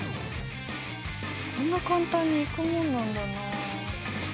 こんな簡単にいくもんなんだなあ。